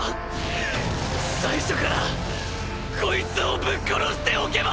最初からこいつをぶっ殺しておけば！！